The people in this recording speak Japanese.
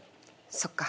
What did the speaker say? そっか。